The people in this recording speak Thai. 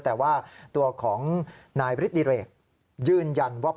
แต่ว่าตัวของนายบริษฐรีเรกยื่นยันว่า